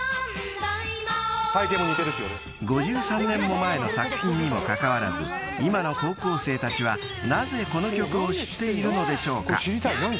［５３年も前の作品にもかかわらず今の高校生たちはなぜこの曲を知っているのでしょうか？］